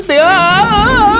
aku tidak mengerti